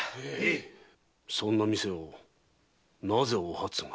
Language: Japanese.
そんな店をなぜおはつが？